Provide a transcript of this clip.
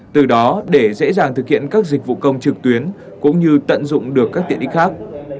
từ đó để dễ dàng thực hiện các dịch vụ công trực tuyến cũng như tận dụng được các tiện ích khác